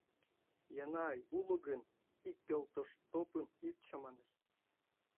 Еҥгай, уло гын, ик пелштопым ит чамане.